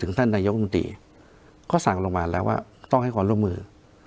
ท่านนายกมนตรีก็สั่งลงมาแล้วว่าต้องให้ความร่วมมือ